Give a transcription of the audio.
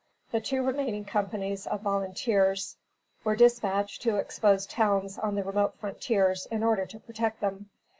The two remaining companies of volunteers were dispatched to exposed towns on the remote frontiers in order to protect them.